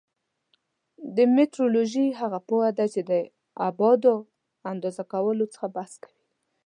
مټرولوژي هغه پوهه ده چې د ابعادو اندازه کولو څخه بحث کوي.